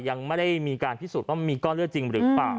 ยังไม่ได้มีการพิสูจน์ว่ามีก้อนเลือดจริงหรือเปล่า